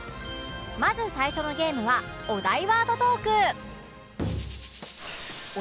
まず最初のゲームはお題ワードトーク